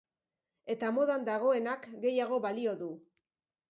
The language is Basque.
Eta modan dagoenak gehiago balio du.